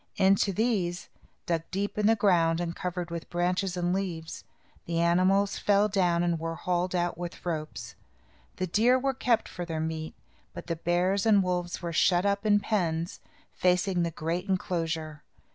Into these, dug deep in the ground and covered with branches and leaves, the animals fell down and were hauled out with ropes. The deer were kept for their meat, but the bears and wolves were shut up, in pens, facing the great enclosure.